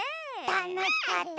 たのしかった。